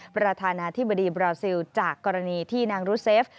ประธานาธิบดีบราซิลจากกรณีที่นางรุเซฟ